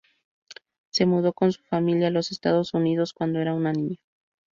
Se mudó con su familia a los Estados Unidos cuando era una niña.